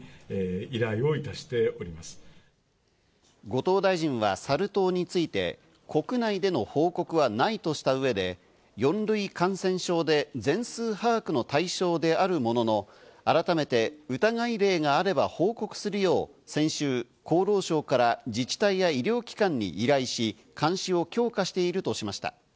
後藤大臣はサル痘について、国内での報告はないとした上で、４類感染症で全数把握の対象であるものの、改めて疑い例があれば報告するよう先週、厚労省から自治体や医療機関に依頼し、監視を強化しているとしました。